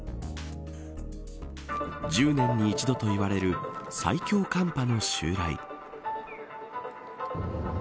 １０年に一度といわれる最強寒波の襲来。